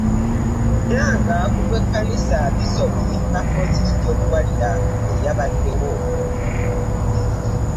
Era nga ku lw'Ekkanisa, Bisoopu Wilberforce Kityo Luwalira ye yabaddewo